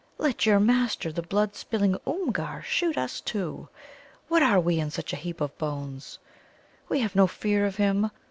Let your master, the blood spilling Oomgar, shoot us, too. What are we in such a heap of bones? We have no fear of him.